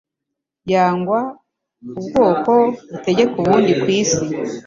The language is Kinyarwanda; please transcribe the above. yangwa ubwoko butegeka ubundi kw'isi ,